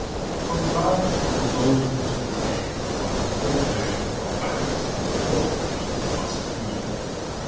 From the mound on the old Waterloo plain one can form a notion of what battles, under former conditions, must have been.